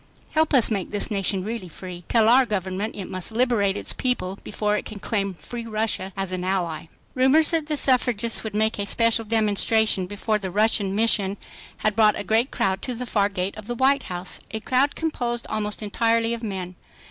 HELP US MAKE THIS NATION REALLY FREE. TELL OUR GOVERNMENT IT MUST LIBERATE ITS PEOPLE BEFORE IT CAN CLAIM FREE RUSSIA AS AN ALLY. Rumors that the suffragists would make a special demonstration before the Russian Mission had brought a great crowd to the far gate of the White House; a crowd composed almost entirely of men.